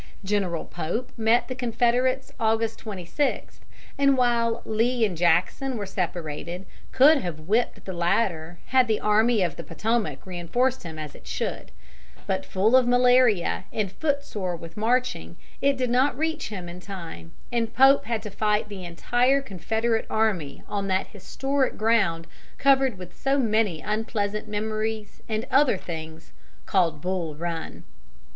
General Pope met the Confederates August 26, and while Lee and Jackson were separated could have whipped the latter had the Army of the Potomac reinforced him as it should, but, full of malaria and foot sore with marching, it did not reach him in time, and Pope had to fight the entire Confederate army on that historic ground covered with so many unpleasant memories and other things, called Bull Run.